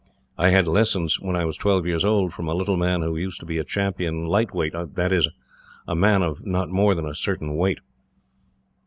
I had lessons, when I was twelve years old, from a little man who used to be a champion lightweight that is, a man of not more than a certain weight."